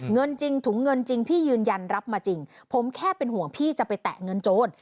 เงินจริงถุงเงินจริงพี่ยืนยันรับมาจริงผมแค่เป็นห่วงพี่จะไปแตะเงินโจร